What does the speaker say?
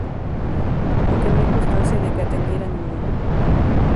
Aunque no hay constancia de que atendiera ninguna.